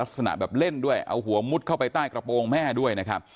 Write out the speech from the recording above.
ลักษณะแบบเล่นด้วยเอาหัวมุดเข้าไปใต้กระโปรงแม่ด้วยนะครับ